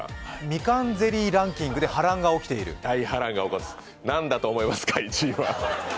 みかんゼリーランキングで波乱が起きている大波乱が起きています、何だと思いますか、１位は。